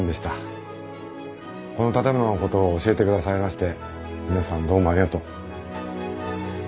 この建物のことを教えてくださいまして皆さんどうもありがとう。